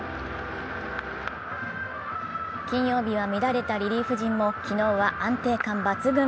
金曜日は乱れたリリーフ陣も昨日は安定感抜群。